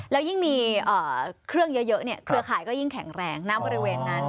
แล้วยิ่งมีเครื่องเยอะเครือข่ายก็ยิ่งแข็งแรงณบริเวณนั้น